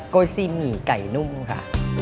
โกยซี่หมี่ไก่นุ่มค่ะ